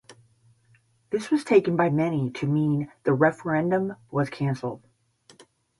This was taken by many to mean the referendum was cancelled.